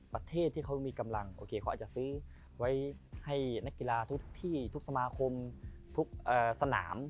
ประเทศที่เขามีกำลังโอเคเขาอาจจะซื้อไว้ให้นักกีฬาทุกที่ทุกสมาคมทุกสนาม